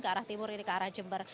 ke arah timur ini ke arah jember